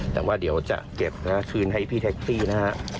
แต่ว่าเดี๋ยวจะเก็บคืนให้พี่แท็กซี่นะฮะ